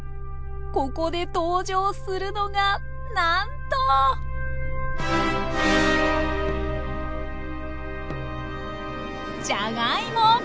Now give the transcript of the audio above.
ここで登場するのがなんとじゃがいも！